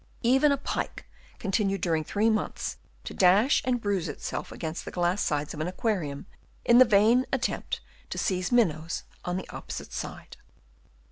Even a pike continued during three months to dash and bruise itself against the glass sides of an aquarium, in the vain attempt to seize minnows on the opposite side.